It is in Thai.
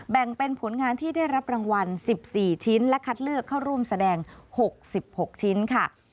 แบ่งเป็นผลงานที่ได้รับรางวัล๑๔ชิ้นและคัดเลือกเข้าร่วมแสดง๖๖ชิ้นค่ะ